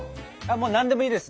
何でもいいです！